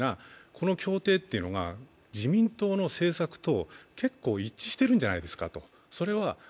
この協定というのが自民党の政策と結構、一致しているんじゃないですかと。